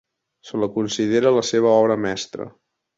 Se la considera la seva obra mestra.